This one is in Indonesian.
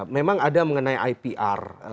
memang ada mengenai ipr